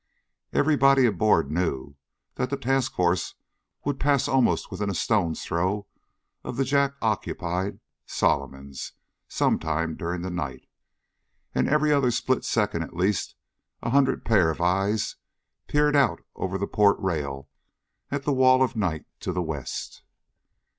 Everybody aboard knew that the task force would pass almost within a stone's throw of the Jap occupied Solomons some time during the night. And every other split second at least a hundred pair of eyes peered out over the port rail at the wall of night to the west.